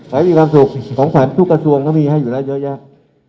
มีความสุขของขวัญทุกกระทรวงก็มีให้อยู่แล้วเยอะแยะ